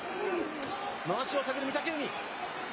まわしを避ける御嶽海。